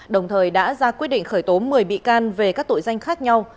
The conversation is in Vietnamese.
đồng thời đã ra quyết định khởi tố một mươi bị can về các tội danh khác nhau